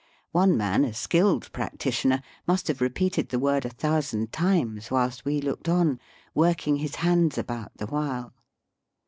One man, a skilled practitioner, must have re peated the word a thousand times whilst we looked on, working his hands ahout the while.